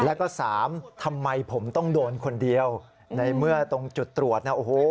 แล้วก็สามทำไมผมต้องโดนคนเดียวในเมื่อตรงจุดตรวจนะโอ้โห